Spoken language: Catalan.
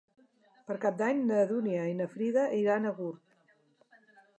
Per Cap d'Any na Dúnia i na Frida iran a Gurb.